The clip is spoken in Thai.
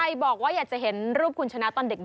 บอกว่าอยากจะเห็นรูปคุณชนะตอนเด็ก